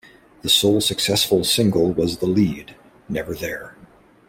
The sole successful single was the lead "Never There".